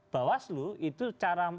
bawaslu itu cara